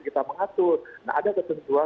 kita mengatur nah ada ketentuan